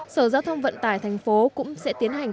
sở giao thông vận tải thành phố cũng sẽ tiến hành